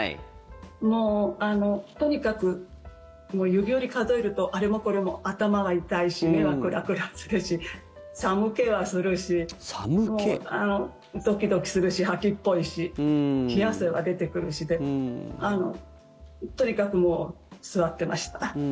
もうとにかく指折り数えると、あれもこれも頭は痛いし、目はクラクラするし寒気はするしドキドキするし、吐きっぽいし冷や汗は出てくるしでとにかくもう座ってました。